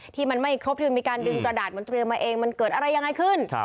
ที่มันไม่ครบที่มันมีการดึงกระดาษมันเตรียมมาเองมันเกิดอะไรยังไงขึ้น